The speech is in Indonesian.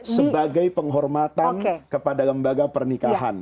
sebagai penghormatan kepada lembaga pernikahan